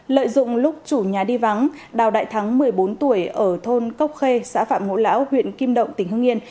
lợi dụng lúc chủ nhà đi vắng đào đại thắng một mươi bốn tuổi ở thôn cốc khê xã phạm ngũ lão huyện kim động tỉnh hương yên